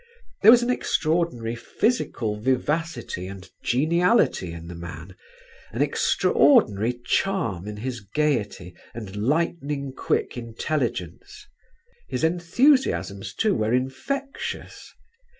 There was an extraordinary physical vivacity and geniality in the man, an extraordinary charm in his gaiety, and lightning quick intelligence. His enthusiasms, too, were infectious.